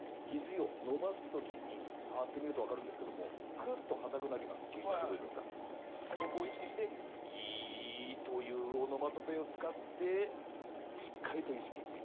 肘を伸ばすときに触ってみると分かるんですけども、くっと硬くなります、そこを意識して、「ギィィ」というオノマトペを使ってしっかりと意識。